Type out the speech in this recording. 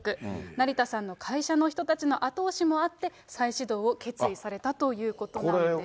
成田さんの会社の人たちの後押しもあって、再始動を決意されたということなんです。